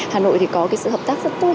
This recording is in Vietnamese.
hà nội thì có cái sự hợp tác rất tốt